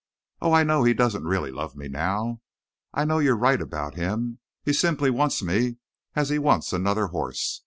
Oh, I know he doesn't really love me now. I know you're right about him. He simply wants me as he'd want another horse.